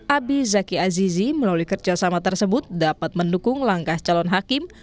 abi zaki azizi melalui kerjasama tersebut dapat mendukung langkah calon hakim